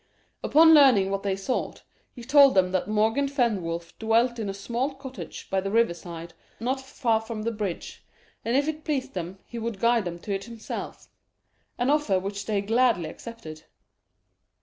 Upon leaning what they sought, he told them that Morgan Fenwolf dwelt in a small cottage by the river side not far from the bridge, and if it pleased them, he would guide them to it himself an offer which they gladly accepted.